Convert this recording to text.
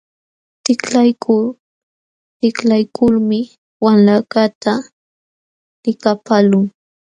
Tiklaykul tiklaykulmi wamlakaqta likapaqlun.